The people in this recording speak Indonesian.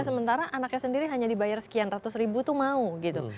sementara anaknya sendiri hanya dibayar sekian ratus ribu itu mau gitu